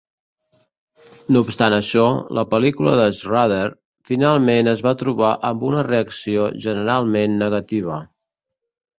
No obstant això, la pel·lícula de Schrader finalment es va trobar amb una reacció generalment negativa.